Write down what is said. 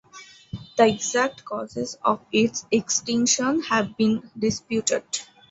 The exact causes of its extinction have been disputed.